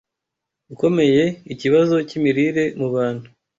ukomeye ikibazo cy’imirire mu bantu